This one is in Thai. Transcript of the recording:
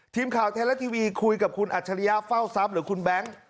ทีมข่าวแทนละทีวีคุยกับคุณอัจฉริยาเฝ้าซ้ำหรือคุณแบงค์